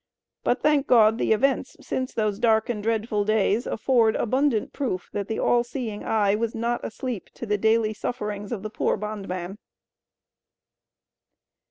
But thank God the events since those dark and dreadful days, afford abundant proof that the All seeing Eye was not asleep to the daily sufferings of the poor bondman.